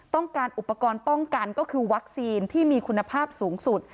ต้องการอุปกรณ์ป้องกันก็คือวัคซีนที่มีคุณภาพสูงสุด